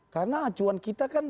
karena acuan kita kan